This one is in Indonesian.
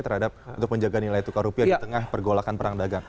terhadap untuk menjaga nilai tukar rupiah di tengah pergolakan perang dagang